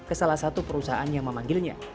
ke salah satu perusahaan yang memanggilnya